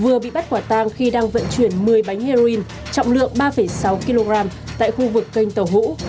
vừa bị bắt quả tang khi đang vận chuyển một mươi bánh heroin trọng lượng ba sáu kg tại khu vực kênh tàu hũ